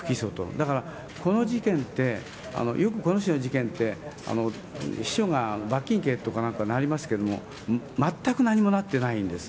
だから、この事件って、よくこの種の事件って、秘書が罰金刑とかなんかになりますけれども、全く何もなってないんです。